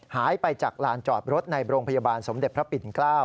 หายไปจากลานจอดรถในโรงพยาบาลสมเด็จพระปิ่นเกล้า